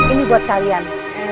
ini buat kalian